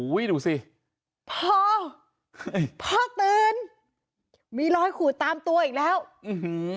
ดูสิพอพ่อตื่นมีรอยขูดตามตัวอีกแล้วอื้อหือ